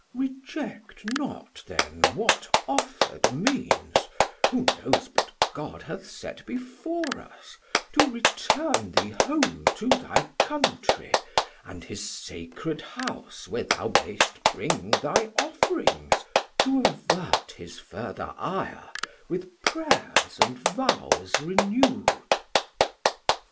Reject not then what offerd means, who knows But God hath set before us, to return thee Home to thy countrey and his sacred house, Where thou mayst bring thy off'rings, to avert His further ire, with praiers and vows renew'd.